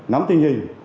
nắm tình hình